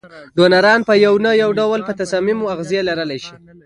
ډونران په یو نه یو ډول په تصامیمو اغیز لرلای شي.